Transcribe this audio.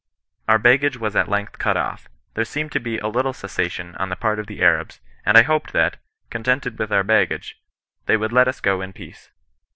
Our baggage was at length cut off: there seemed to be a little cessation on the part of the Arabs, and I hoped that, contented with our baggage, they would let us go in peace.